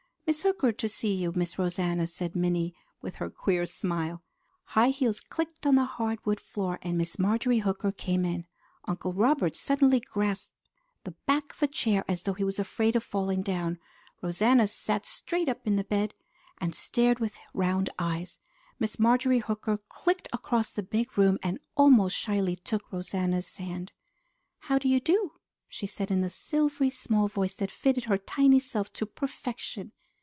"Miss Hooker to see you, Miss Rosanna," said Minnie with her queer smile. High heels clicked on the hardwood floor, and Miss Marjorie Hooker came in. Uncle Robert suddenly grasped the back of a chair as though he was afraid of falling down. Rosanna sat straight up in bed and stared with round eyes. Miss Marjorie Hooker clicked across the big room and almost shyly took Rosanna's hand. "How do you do?" she said in a silvery, small voice that fitted her tiny self to perfection.